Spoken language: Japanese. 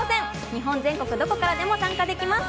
日本全国どこからでも参加できます。